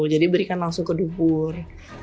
jadi berikan langsung ke dubur